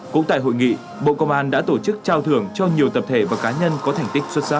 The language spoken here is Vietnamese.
cũng tại hội nghị bộ công an đã tổ chức trao thưởng cho nhiều tập thể và cá nhân có thành tích xuất sắc